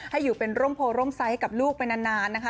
ให้อยู่เป็นร่มโพร่มไซส์กับลูกไปนานนะคะ